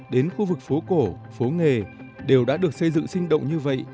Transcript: đến khu vực phố cổ phố nghề đều đã được xây dựng sinh động như vậy